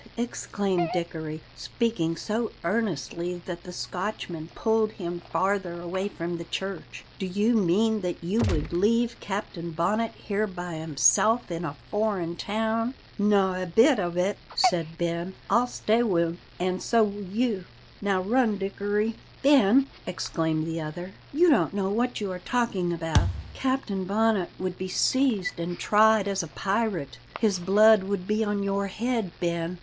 exclaimed Dickory, speaking so earnestly that the Scotchman pulled him farther away from the church, "do you mean that you would leave Captain Bonnet here by himself, in a foreign town?" "No' a bit o' it," said Ben, "I'll stay wi' him an' so will you. Now run, Dickory!" "Ben!" exclaimed the other, "you don't know what you are talking about! Captain Bonnet would be seized and tried as a pirate. His blood would be on your head, Ben!"